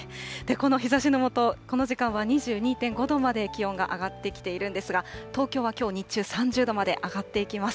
この日ざしの下、この時間は２２．５度まで気温が上がってきているんですが、東京はきょう日中、３０度まで上がっていきます。